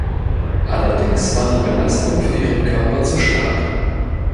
Allerdings war die Belastung für ihren Körper zu stark.